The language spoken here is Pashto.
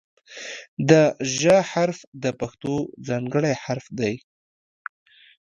د "ژ" حرف د پښتو ځانګړی حرف دی.